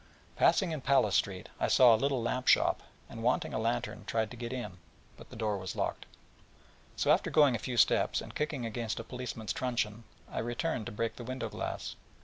Passing in Palace Street, I saw a little lampshop, and wanting a lantern, tried to get in, but the door was locked; so, after going a few steps, and kicking against a policeman's truncheon, I returned to break the window glass.